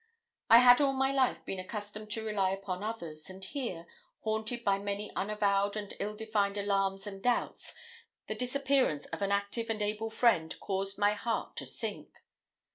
I had all my life been accustomed to rely upon others, and here, haunted by many unavowed and ill defined alarms and doubts, the disappearance of an active and able friend caused my heart to sink.